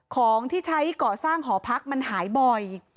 ของที่ใช้ก่อสร้างหอพักมันหายบ่อย